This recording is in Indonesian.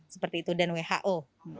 seperti itu dan who